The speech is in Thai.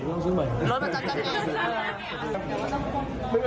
รถประจัดจะเรียน